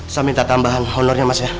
saya minta tambahan honornya mas ya